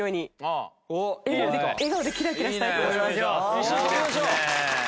一緒に跳びましょう！